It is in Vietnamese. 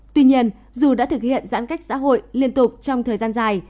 tuy nhiên dù đã thực hiện giãn cách xã hội liên tục trong thời gian dài